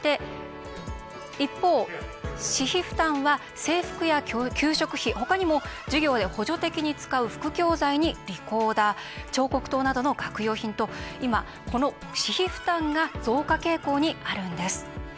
一方、私費負担は制服や給食費ほかにも授業で補助的に使う副教材にリコーダー彫刻刀などの学用品と今、この私費負担が増加傾向にあるんです。